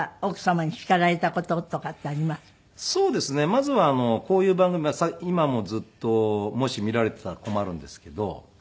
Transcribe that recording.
まずはこういう番組今もずっともし見られていたら困るんですけど。